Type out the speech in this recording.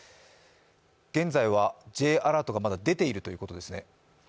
現在はＪアラートがまだ出ているということですね。